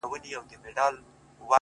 چي ياد پاته وي- ياد د نازولي زمانې-